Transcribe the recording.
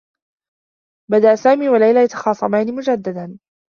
بدآ سامي و ليلى يتخاصمان مجدّدا.